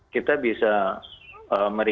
kita bisa merecover tapi